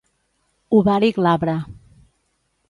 Ovari glabre.